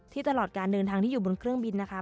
ตลอดการเดินทางที่อยู่บนเครื่องบินนะคะ